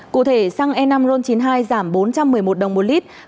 cụ thể xăng e năm ron chín mươi hai giảm bốn trăm một mươi một đồng một lít